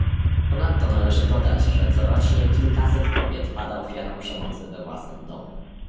Ponadto należy dodać, że corocznie kilkaset kobiet pada ofiarą przemocy we własnym domu